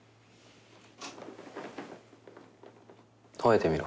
ほえてみろ。